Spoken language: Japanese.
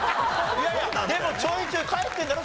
いやいやでもちょいちょい帰ってるんだろ？